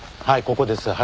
はいここです。